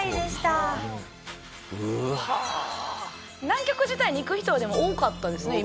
南極自体に行く人はでも多かったですね。